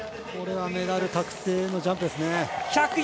これはメダル確定のジャンプですね。